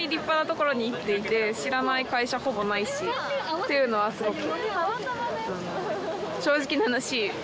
っていうのはすごく。